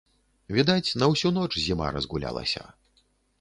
Відаць, на ўсю ноч зіма разгулялася.